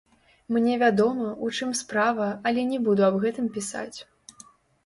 Мне вядома, у чым справа, але не буду аб гэтым пісаць.